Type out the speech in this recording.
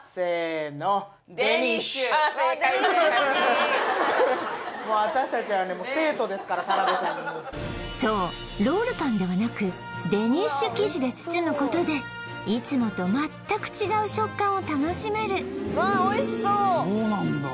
正解正解そうロールパンではなくデニッシュ生地で包むことでいつもとまったく違う食感を楽しめるわあおいしそうそうなんだ